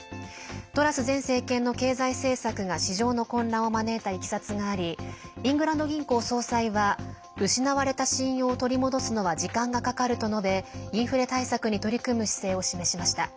トラス前政権の経済政策が市場の混乱を招いたいきさつがありイングランド銀行総裁は失われた信用を取り戻すのは時間がかかると述べインフレ対策に取り組む姿勢を示しました。